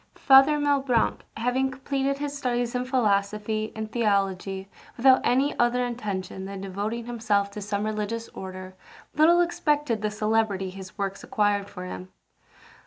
Father Malebranche having completed his studies in philosophy and theology without any other intention than devoting himself to some religious order, little expected the celebrity his works acquired for him.